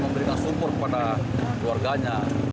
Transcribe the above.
membicarakan sumber kepada keluarganya